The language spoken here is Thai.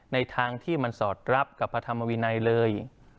ในทางที่มันสอดรับกับพระธรรมวินัยเลย